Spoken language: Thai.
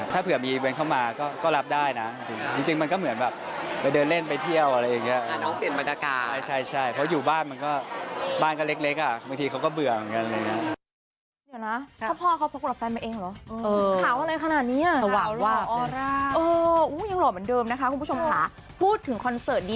ถ้าเผื่อมีวันเข้ามาก็รับได้นะจริงมันก็เหมือนแบบไปเดินเล่นไปเที่ยวอะไรอย่างนี้